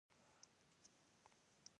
د هوا فشار په غرونو کې کمېږي.